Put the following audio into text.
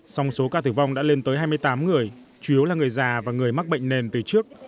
song số ca tử vong đã lên tới hai mươi tám người chủ yếu là người già và người mắc bệnh nền từ trước